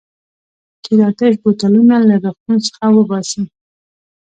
چې دا تش بوتلونه له روغتون څخه وباسي.